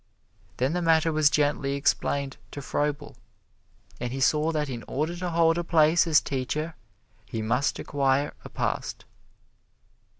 Then the matter was gently explained to Froebel, and he saw that in order to hold a place as teacher he must acquire a past.